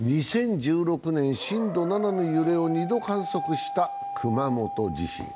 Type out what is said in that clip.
２０１６年、震度７の揺れを２度観測した熊本地震。